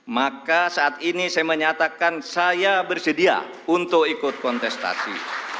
maka saat ini saya menyatakan saya bersedia untuk ikut kontestasi